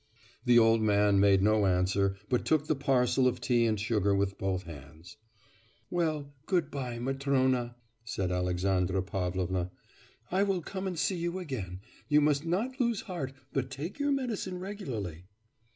The old man made no answer but took the parcel of tea and sugar with both hands. 'Well, good bye, Matrona!' said Alexandra Pavlovna, 'I will come and see you again; and you must not lose heart but take your medicine regularly.